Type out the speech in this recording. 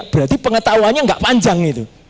berarti pengetahuannya gak panjang